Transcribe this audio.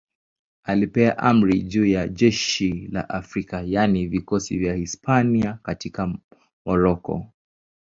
Alipewa amri juu ya jeshi la Afrika, yaani vikosi vya Hispania katika Moroko.